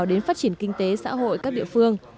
đến phát triển kinh tế xã hội các địa phương